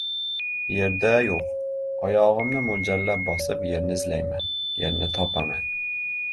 Yer-da yo‘q. Oyog‘imni mo‘ljallab bosib, yerni izlayman. Yerni topaman.